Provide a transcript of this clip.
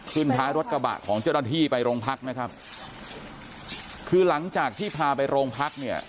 ท้ายรถกระบะของเจ้าหน้าที่ไปโรงพักนะครับคือหลังจากที่พาไปโรงพักเนี่ย